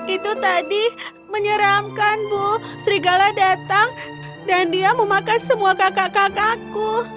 itu tadi menyeramkan bu serigala datang dan dia memakan semua kakak kakakku